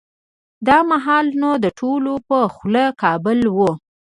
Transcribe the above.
دا مهال نو د ټولو په خوله کابل و.